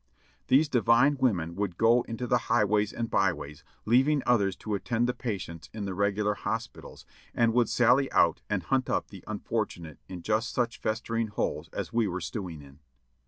These divine women would "go into the highways and byways," leaving others to attend the patients in the regular hospitals, and would sally out and hunt up the unfortunate in just such festering holes as we were stewing in.